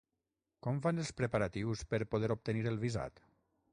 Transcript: Com van els preparatius per poder obtenir el visat?